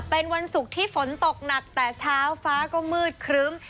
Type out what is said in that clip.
เป็นวันศุกร์ที่ฝนตกหนักแต่เช้าฟ้าก็มืดครึ้ม